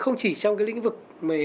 không chỉ trong lĩnh vực